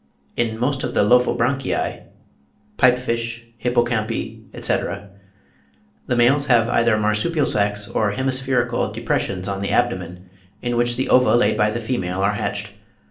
In most of the Lophobranchii (Pipe fish, Hippocampi, etc.) the males have either marsupial sacks or hemispherical depressions on the abdomen, in which the ova laid by the female are hatched.